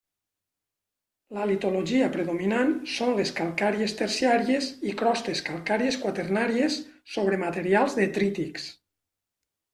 La litologia predominant són les calcàries terciàries i crostes calcàries quaternàries sobre materials detrítics.